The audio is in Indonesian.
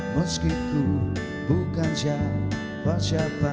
meskipun bukan siapa siapa